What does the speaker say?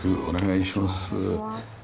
お願いします。